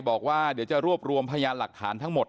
บอกว่าเดี๋ยวจะรวบรวมพยานหลักฐานทั้งหมด